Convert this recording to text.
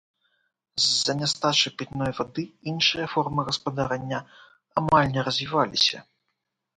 З-за нястачы пітной вады іншыя формы гаспадарання амаль не развіваліся.